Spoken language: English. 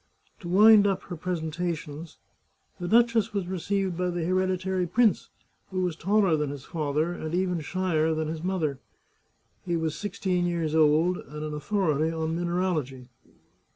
To wind up her presentations, the duchess was received by the hereditary prince, who was taller than his father, and even shyer than his mother. He was sixteen years old, and an authority on mineralogy.